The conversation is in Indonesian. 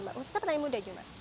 khususnya petani muda juga mbak